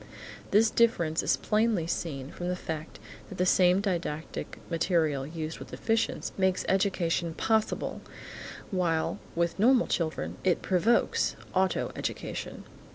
This difference is plainly seen from the fact that the same didactic material used with deficients makes education possible, while with normal children it provokes auto education.